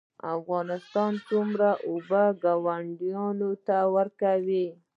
افغانستان څومره اوبه ګاونډیانو ته ورکوي؟